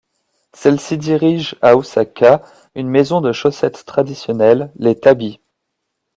Celles-ci dirigent, à Osaka, une maison de chaussettes traditionnelles, les tabis.